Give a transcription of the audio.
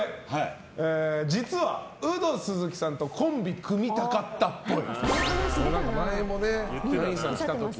実はウド鈴木さんとコンビ組みたかったっぽい。